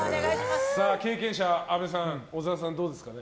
経験者、阿部さん小沢さんはどうですかね？